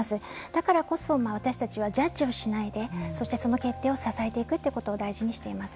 だからこそ私たちはジャッジをしないでそしてその決定を支えていくということを大事にしています。